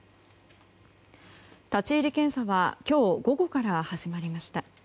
立ち入り検査は今日午後から始まりました。